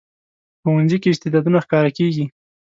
ښوونځی کې استعدادونه ښکاره کېږي